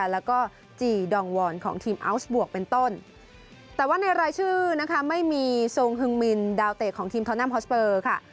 แล้วก็ของทีมเป็นต้นแต่ว่าในรายชื่อนะคะไม่มีดาวเตะของทีมค่ะ